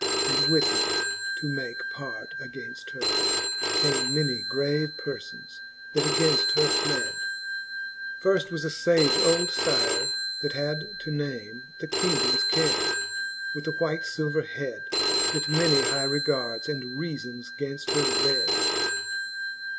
And with him to make part againft her, came Many grave perfons, that againft her pled : Firft was a iage old Syre, that had to name The Kingdomes Care., with a white filver hed, That many high regards and reafbns gainft her red.